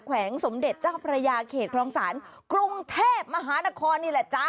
แขวงสมเด็จเจ้าพระยาเขตคลองศาลกรุงเทพมหานครนี่แหละจ๊ะ